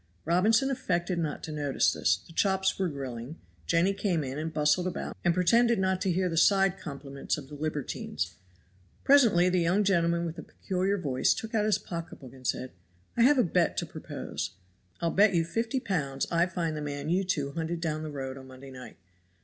Robinson affected not to notice this; the chops were grilling, Jenny came in and bustled about and pretended not to hear the side compliments of the libertines. Presently the young gentleman with the peculiar voice took out his pocketbook and said, "I have a bet to propose. I'll bet you fifty pounds I find the man you two hunted down the road on Monday night."